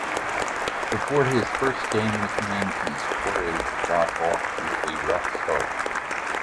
Before his first game with the Yankees, Torre got off to a rough start.